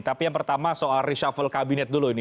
tapi yang pertama soal reshuffle kabinet dulu ini